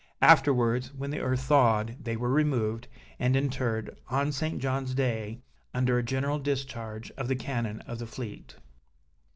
Afterwards, when the earth thawed, they were removed, and interred, on St. John's day, under a general discharge of the cannon of the fleet.